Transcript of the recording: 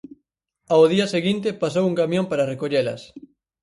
Ao día seguinte pasou un camión para recollelas.